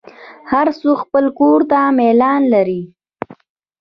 هر څوک خپل کور ته میلان لري.